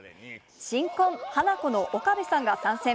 新婚、ハナコの岡部さんが参戦。